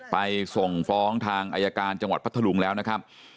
ไปส่งฟ้องทางอายการจังหวัดพัทธลุงแล้วนะครับ